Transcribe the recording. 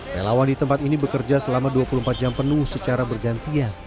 relawan di tempat ini bekerja selama dua puluh empat jam penuh secara bergantian